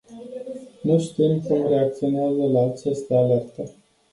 Nu știm cum reacționează la aceste alerte.